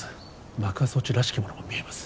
爆破装置らしきものも見えます